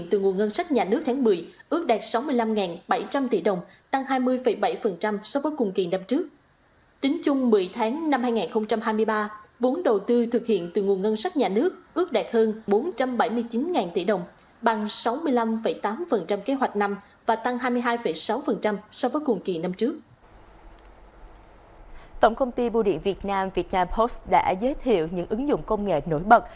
tổng công ty bu điện việt nam việt nam post đã giới thiệu những ứng dụng công nghệ nổi bật